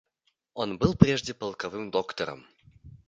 Он был прежде полковым доктором.